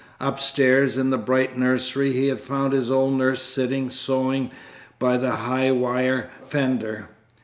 Upstairs, in the bright nursery, he had found his old nurse sitting sewing by the high wire fender.